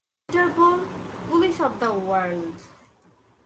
Interpol, police of the world.